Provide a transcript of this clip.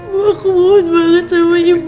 wah aku mohon banget sama ibu